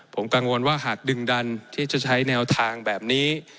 ผมกังวลว่าหากดึงดันที่จะใช้แนวทางแบบนี้